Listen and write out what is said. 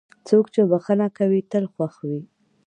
څوک چې بښنه کوي، تل خوښ وي.